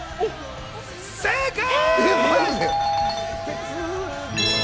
正解！